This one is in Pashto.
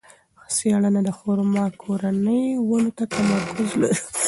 څېړنه د خورما کورنۍ ونو ته تمرکز لري.